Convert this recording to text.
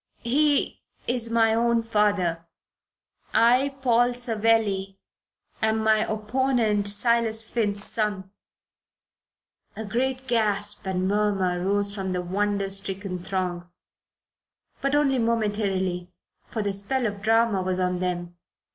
He is my own father; I, Paul Savelli, am my opponent, Silas Finn's son." A great gasp and murmur rose from the wonder stricken throng, but only momentarily, for the spell of drama was on them.